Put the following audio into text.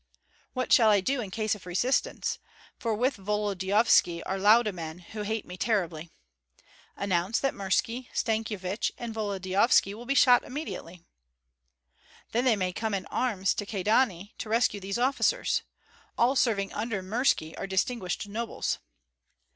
"What shall I do in case of resistance? For with Volodyovski are Lauda men who hate me terribly." "Announce that Mirski, Stankyevich, and Volodyovski will be shot immediately." "Then they may come in arms to Kyedani to rescue these officers. All serving under Mirski are distinguished nobles."